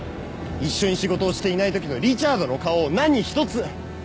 一緒に仕事をしていないときのリチャードの顔を何一つ！